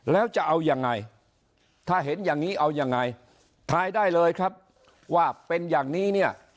แล้วจะเอายังไงถ้าเห็นอย่างนี้เอายังไงทายได้เลยครับว่าเป็นอย่างนี้เนี่ย